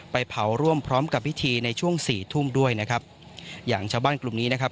ไปเผาร่วมพร้อมกับพิธีในช่วงสี่ทุ่มด้วยนะครับอย่างชาวบ้านกลุ่มนี้นะครับ